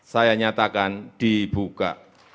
saya nyatakan dibuka